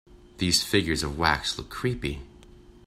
These figures of wax look creepy.